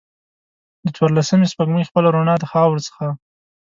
د څوارلسمې سپوږمۍ خپله روڼا د خاورو څخه